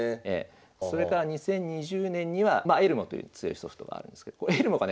それから２０２０年にはまあエルモという強いソフトがあるんですけどエルモがね